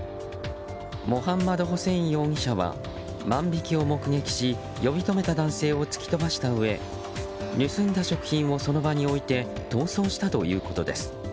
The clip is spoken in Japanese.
モハンマドホセイン容疑者は万引きを目撃し呼び止めた男性を突き飛ばしたうえ盗んだ食品をその場に置いて逃走したということです。